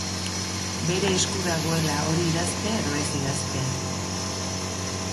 Bere esku dagoela hori idaztea edo ez idaztea.